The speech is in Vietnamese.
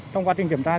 trong quá trình kiểm tra